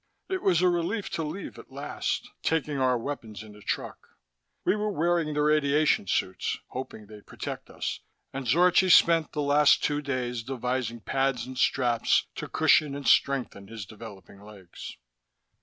It was a relief to leave at last, taking our weapons in the truck. We were wearing the radiation suits, hoping they'd protect us, and Zorchi spent the last two days devising pads and straps to cushion and strengthen his developing legs.